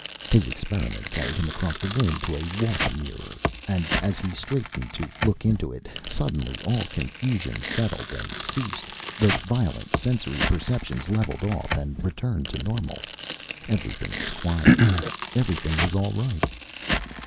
His experiment carried him across the room to a wall mirror, and as he straightened to look into it, suddenly all confusion settled and ceased. The violent sensory perceptions leveled off and returned to normal. Everything was quiet. Everything was all right.